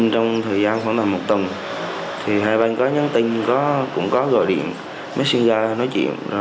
trong thời gian khoảng một tuần hai bạn có nhắn tin cũng có gọi điện messenger nói chuyện